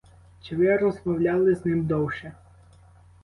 Чи ви розмовляли з ним довше?